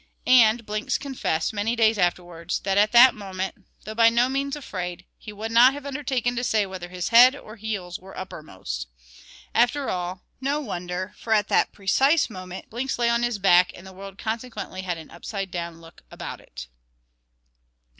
And Blinks confessed, many days afterwards, that at that moment, though by no means afraid, he would not have undertaken to say whether his head or heels were uppermost. After all, no wonder; for at that precise moment Blinks lay on his back, and the world consequently had an up side down look about it.